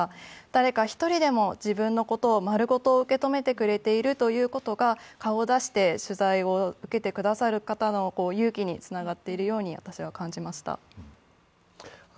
誰か一人でも自分のことを丸ごと受け止めてくれるということが顔を出して取材を受けてくださる方の勇気につながっていると私は感じました。